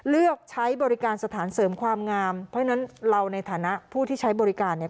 เลือกใช้บริการสถานเสริมความงามเพราะฉะนั้นเราในฐานะผู้ที่ใช้บริการเนี่ย